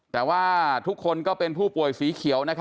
แต่ว่าทุกคนก็เป็นผู้ป่วยสีเขียว